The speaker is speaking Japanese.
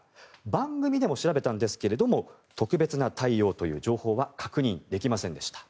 番組でも調べたんですが特別な対応という情報は確認できませんでした。